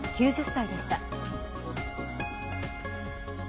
９０歳でした。